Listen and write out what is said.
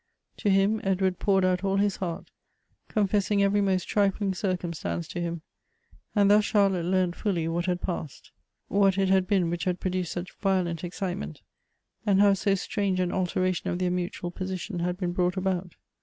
To him Edward poured out all his heart, confessing every most trifling circum stance to him, and thus Charlotte learnt fully what had passed ; what it had been which had produced such vio lent excitement, and how so strange an alteration of their mutual position had been brought about.